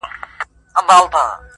کله چې له پوهنې سره